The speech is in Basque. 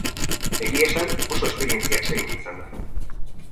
Egia esan oso esperientzia atsegina izan da.